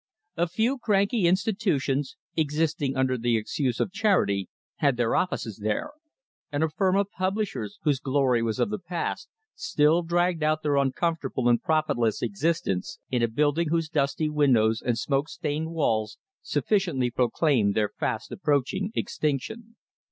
A few cranky institutions, existing under the excuse of charity, had their offices there, and a firm of publishers, whose glory was of the past, still dragged out their uncomfortable and profitless existence in a building whose dusty windows and smoke stained walls sufficiently proclaimed their fast approaching extinction.